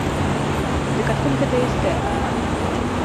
Дык адкуль гэтая істэрыка?